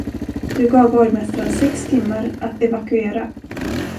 Du gav borgmästaren sex timmar att evakuera.